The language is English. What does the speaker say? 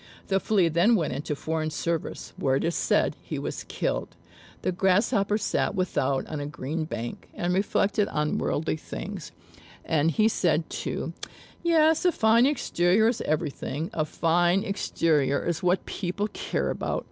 The Flea then went into foreign service, where, it is said, he was killed. The Grasshopper sat without on a green bank, and reflected on worldly things; and he said too, "Yes, a fine exterior is everything a fine exterior is what people care about."